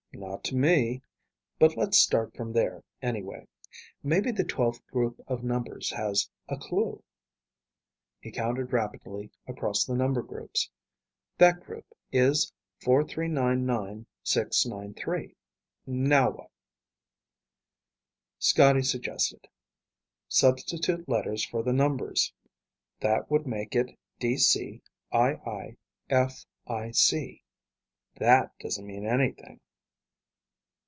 "Not to me. But let's start from there, anyway. Maybe the twelfth group of numbers has a clue." He counted rapidly across the number groups. "That group is 4399693. Now what?" Scotty suggested, "Substitute letters for the numbers. That would make it DCIIFIC. That doesn't mean anything."